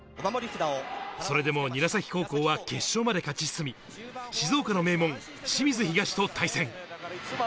それでも韮崎高校は決勝まで勝ち進み、静岡の名門・清水東と対戦。